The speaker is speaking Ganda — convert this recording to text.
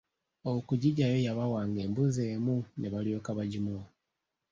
Okugiggyayo yabawanga embuzi emu ne balyoka bagimuwa.